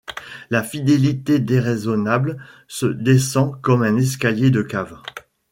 La fidélité déraisonnable se descend comme un escalier de cave.